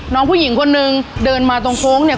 น้องผู้หญิงคนนึงเดินมาตรงโค้งเนี่ย